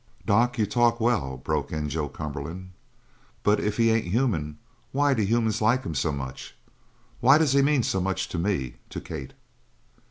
"Doc, you talk well," broke in Joe Cumberland, "but if he ain't human, why do humans like him so much? Why does he mean so much to me to Kate?"